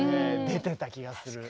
出てた気がする。